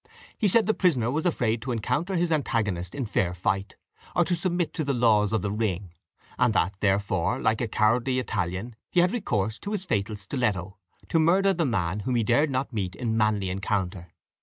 He said the prisoner was afraid to encounter his antagonist in fair fight, or to submit to the laws of the ring; and that, therefore, like a cowardly Italian, he had recourse to his fatal stiletto, to murder the man whom he dared not meet in manly encounter.